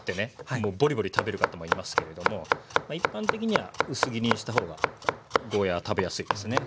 もうボリボリ食べる方もいますけれども一般的には薄切りにした方がゴーヤーは食べやすいですね。